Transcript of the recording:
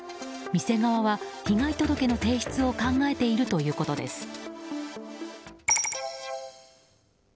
店側は被害届の提出を考えているということです。